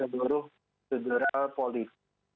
seluruh sederhana politik